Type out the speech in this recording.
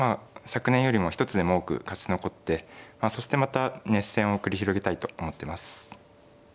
昨年よりも一つでも多く勝ち残ってそしてまた熱戦を繰り広げたいと思ってます。